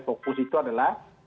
fokus itu adalah